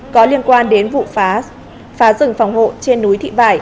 có liên quan đến vụ phá rừng phòng hộ trên núi thị vải